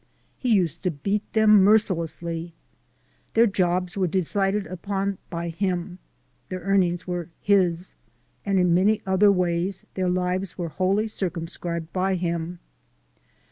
He used to beat them mercilessly. Their jobs were decided upon by him; their earnings were his, and in many other ways their lives were wholly circumscribed by him.